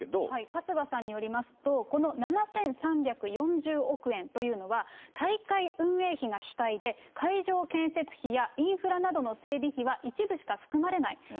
春日さんによりますと、この７３４０億円というのは、大会運営費が主体で、会場建設費やインフラなどの整備費は一部しか含まれない。